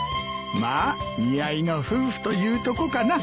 まあ似合いの夫婦というとこかな。